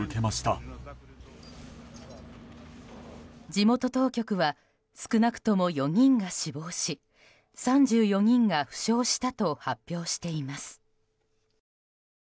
地元当局は少なくとも４人が死亡し３４人が負傷したと発表しています。